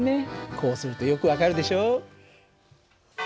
こうするとよく分かるでしょ。